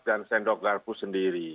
dan sendok larpus sendiri